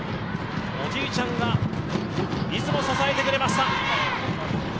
おじいちゃんは、いつも支えてくれました。